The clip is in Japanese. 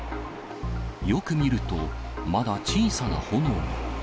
よく見ると、まだ小さな炎が。